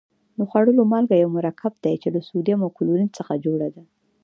د خوړلو مالګه یو مرکب دی چې له سوډیم او کلورین څخه جوړه ده.